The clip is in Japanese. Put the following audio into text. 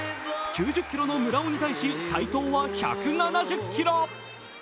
９０ｋｇの村尾に対して斉藤は１７０ｋｇ。